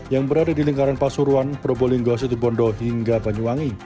yang berada di lingkaran pasuruan probolinggo situbondo hingga banyuwangi